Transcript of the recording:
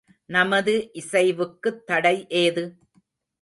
நமது இசைவுக்குத் தடை ஏது?